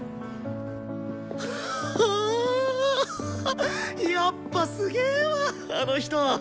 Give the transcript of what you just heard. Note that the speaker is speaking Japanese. はぁやっぱすげわあの人。